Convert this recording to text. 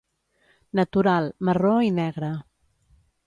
Natural, marró i negre.